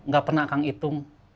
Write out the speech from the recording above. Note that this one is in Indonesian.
gak pernah saya hitung